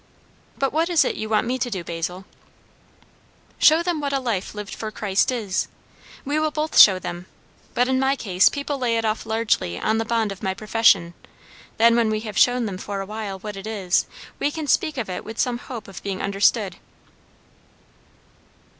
"But what is it you want me to do, Basil?" "Show them what a life lived for Christ is. We will both show them; but in my case people lay it off largely on the bond of my profession. Then, when we have shown them for awhile what it is, we can speak of it with some hope of being understood."